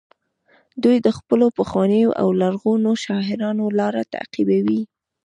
دوی د خپلو پخوانیو او لرغونو شاعرانو لاره تعقیبوي